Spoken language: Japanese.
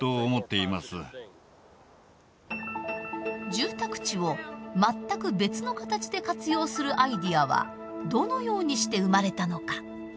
住宅地を全く別の形で活用するアイデアはどのようにして生まれたのか。